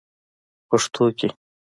پښتو کې: